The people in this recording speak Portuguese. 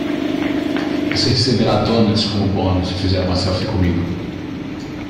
Você receberá donuts como bônus se fizer uma selfie comigo.